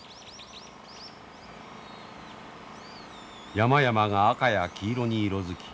山々が赤や黄色に色づき